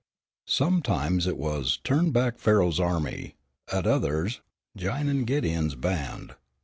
Sometimes it was "Turn Back Pharaoh's Army," at others "Jinin' Gideon's Band."